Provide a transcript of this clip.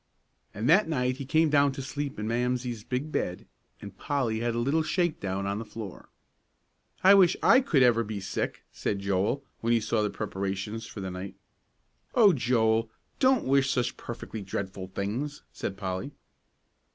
And that night he came down to sleep in Mamsie's big bed, and Polly had a little shake down on the floor. "I wish I could ever be sick!" said Joel, when he saw the preparations for the night. "Oh, Joel, don't wish such perfectly dreadful things," said Polly.